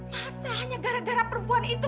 masa hanya gara gara perempuan itu